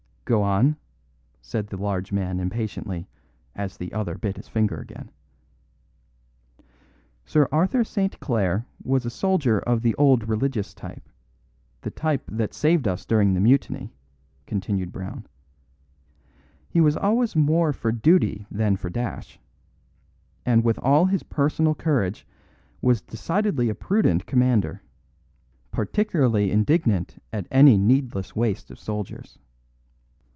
"Go on," said the large man impatiently as the other bit his finger again. "Sir Arthur St. Clare was a soldier of the old religious type the type that saved us during the Mutiny," continued Brown. "He was always more for duty than for dash; and with all his personal courage was decidedly a prudent commander, particularly indignant at any needless waste of soldiers.